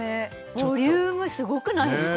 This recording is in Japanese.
ボリュームすごくないですか？